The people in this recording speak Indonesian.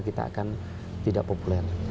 kita akan tidak populer